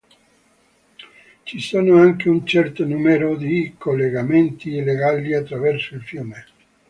Ci sono anche un certo numero di collegamenti illegali attraverso il fiume.